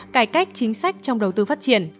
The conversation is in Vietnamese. cải cách chính sách trong đầu tư phát triển